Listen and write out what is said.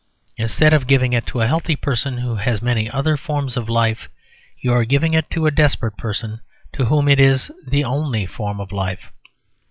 Instead of giving it to a healthy person who has many other forms of life, you are giving it to a desperate person, to whom it is the only form of life.